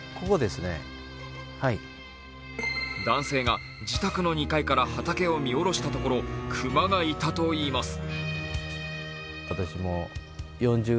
男性が自宅の２階から畑を見下ろしたところ、熊がいたといいます。